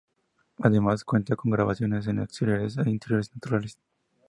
Además, cuenta con grabaciones en exteriores e interiores naturales.